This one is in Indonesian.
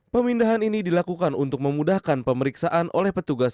pemindahan ini dilakukan untuk memudahkan pemeriksaan oleh petugas